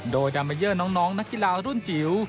โดยดาเมเยอร์น้องนักกีฬารุ่นจิ๋ว